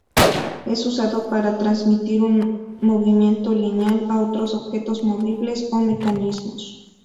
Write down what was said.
Es usado para transmitir un movimiento lineal a otros objetos movibles o mecanismos.